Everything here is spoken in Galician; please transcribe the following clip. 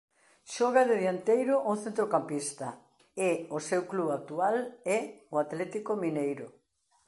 Xoga de dianteiro ou centrocampista e o seu club actual é o Atlético Mineiro.